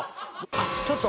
ちょっと。